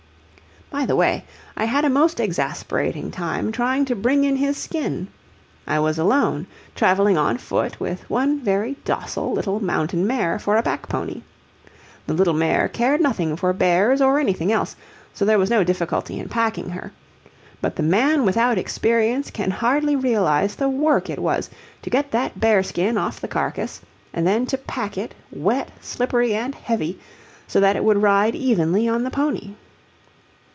By the way, I had a most exasperating time trying to bring in his skin. I was alone, traveling on foot with one very docile little mountain mare for a pack pony. The little mare cared nothing for bears or anything else, so there was no difficulty in packing her. But the man without experience can hardly realize the work it was to get that bearskin off the carcass and then to pack it, wet, slippery, and heavy, so that it would ride evenly on the pony.